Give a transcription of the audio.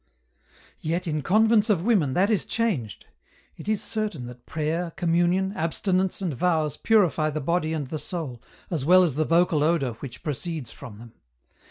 53 " Yet in convents of women, that is changed ; it is certain that prayer, communion, abstinence and vows purify the body and the soul, as well as the vocal odour which proceeds from them.